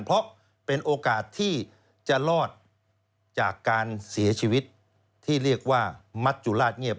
เพราะเป็นโอกาสที่จะรอดจากการเสียชีวิตที่เรียกว่ามัจจุราชเงียบ